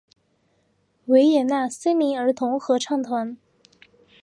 维也纳森林儿童合唱团。